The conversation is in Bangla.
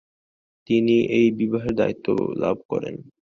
তিনি এই বিহারের দায়িত্ব লাভ করেন।